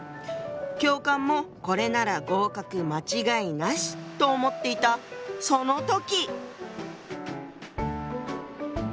教官もこれなら合格間違いなしと思っていたその時！